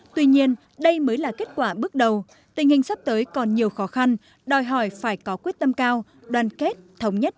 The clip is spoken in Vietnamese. tuy nhiên đây mới là kết quả bước đầu tình hình sắp tới còn nhiều khó khăn đòi hỏi phải có quyết tâm cao đoàn kết thống nhất